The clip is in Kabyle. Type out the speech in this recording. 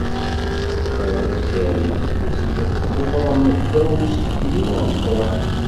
Mi ara teddarim, yessefk ad teffrem ddaw useklu ameqran.